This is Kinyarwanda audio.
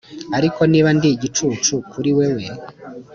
ariko niba ndi igicucu kuri wewe,